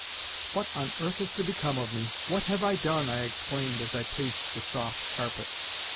"What on earth is to become of me? What have I done?" I exclaimed as I paced the soft carpet.